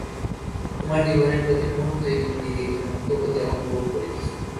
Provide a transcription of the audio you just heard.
তোমার জীবনের প্রতি মুহূর্তই তুমি নিজেকে মুক্ত বলিয়া অনুভব করিতেছ।